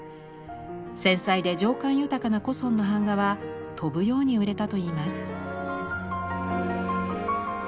繊細で情感豊かな古の版画は飛ぶように売れたといいます。